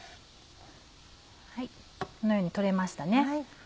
このように取れましたね。